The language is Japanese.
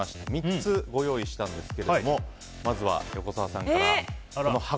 ３つご用意したんですがまずは横澤さんから。